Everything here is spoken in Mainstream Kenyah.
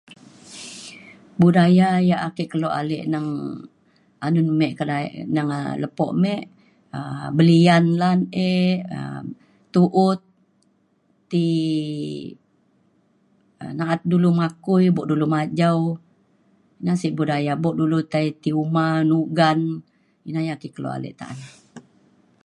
budaya ya' ake keluk alik neng anun mik ke daya lepo mik um belian lan e', tu'ut ti um na'at dulu makui buk dulu majau. na sik budaya, bok dulu tai ti uma nugan ina ya' ake keluk alik ta'an.